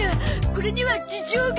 これには事情が！